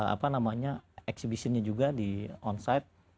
apa namanya eksibisinya juga di on site